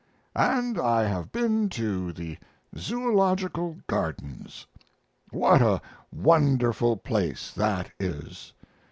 And I have been to the Zoological Gardens. What a wonderful place that is!